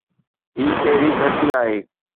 هي ڪهڙي ڌرتي آهي؟